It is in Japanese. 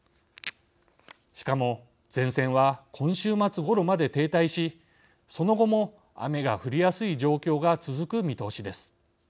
しかも、前線は今週末ごろまで停滞しその後も、雨が降りやすい状況が続く見通しです。